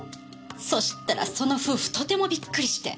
そしたらその夫婦とてもびっくりして。